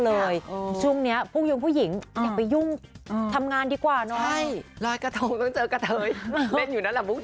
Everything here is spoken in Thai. เฮ้ยเล่นอยู่นั้นแล้วบุ๊กเนี่ย